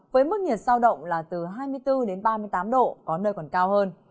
với mức nhiệt sao động là từ hai mươi bốn đến ba mươi tám độ có nơi còn cao hơn